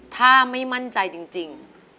ถ้าไม่มั่นใจจริง